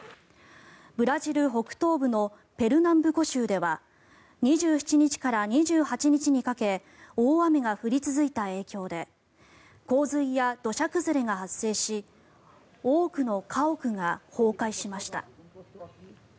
ブラジル北東部のペルナンブコ州では２７日から２８日にかけ大雨が降り続いた影響で洪水や土砂崩れが発生し多くの家屋が崩壊しました。